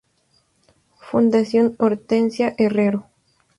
Fundación Hortensia Herrero